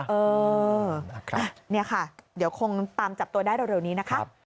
เออนี่ค่ะเดี๋ยวคงตามจับตัวได้เร็วนี้นะคะ